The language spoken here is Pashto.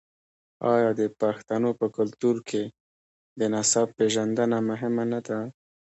آیا د پښتنو په کلتور کې د نسب پیژندنه مهمه نه ده؟